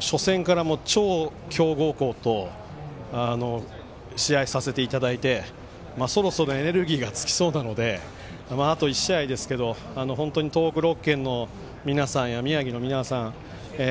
初戦から、超強豪校と試合させていただいてそろそろエネルギーが尽きそうなのであと１試合ですけど本当に東北６県の皆さんや宮城の皆さん